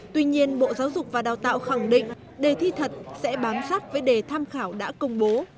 tuy nhiên bộ giáo dục và đào tạo khẳng định đề thi thật sẽ bám sát với đề tham khảo đã công bố